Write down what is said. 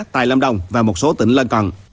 tại lâm đồng và một số tỉnh lân cận